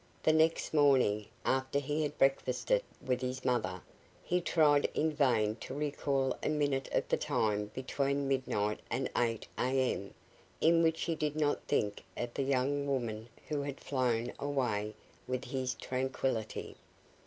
The next morning, after he had breakfasted with his mother, he tried in vain to recall a minute of the time between midnight and eight a.m. in which he did not think of the young woman who had flown away with his tranquillity.